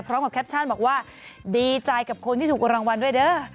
พร้อมกับแคปชันบอกว่าดีใจกับคนที่ถูกรางวัลด้วยด้า